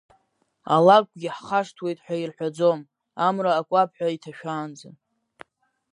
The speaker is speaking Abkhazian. Алакәгьы ҳхашҭуеит ҳәа ирҳәаӡом, Амра акәаԥҳәа иҭашәаанӡа.